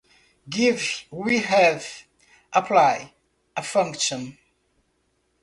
Given we have applied a function